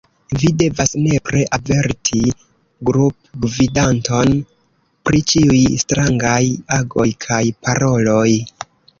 Vi devas nepre averti grupgvidanton pri ĉiuj strangaj agoj kaj paroloj.